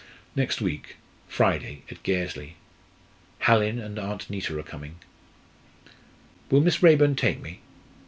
"Next week Friday at Gairsly. Hallin and Aunt Neta are coming." "Will Miss Raeburn take me?"